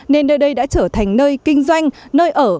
nên nơi đây đã trở thành nơi kinh doanh nơi ở